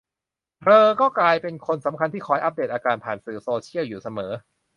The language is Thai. เธอก็กลายเป็นคนสำคัญที่คอยอัปเดตอาการผ่านสื่อโซเชียลอยู่เสมอ